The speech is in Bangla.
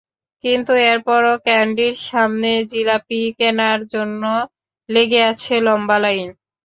কিন্তু এরপরও ক্যান্ডির সামনে জিলাপি কেনার জন্য লেগে আছে লম্বা লাইন।